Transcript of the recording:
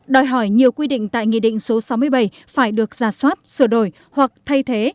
đòi hỏi nhiều quy định tại nghị định số sáu mươi bảy phải được ra soát sửa đổi hoặc thay thế